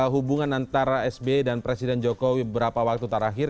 hubungan antara sbi dan presiden jokowi berapa waktu terakhir